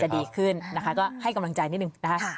ดีขึ้นนะคะก็ให้กำลังใจนิดนึงนะคะ